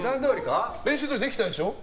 練習どおり、できたでしょ。